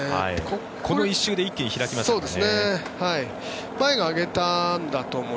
この１周で一気に開きましたね。